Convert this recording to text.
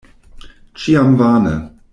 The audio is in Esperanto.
Ĉiam vane.